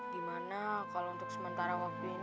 gimana kalau untuk sementara waktu ini